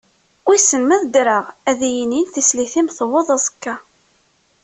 Wissen ma ad ddreɣ ad iyi-inin, tislit-im tewweḍ aẓekka.